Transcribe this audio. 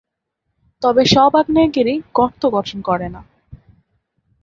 তবে সব আগ্নেয়গিরি গর্ত গঠন করে না।